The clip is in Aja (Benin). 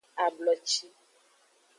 Abloci.